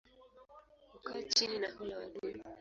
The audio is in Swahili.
Hukaa chini na hula wadudu.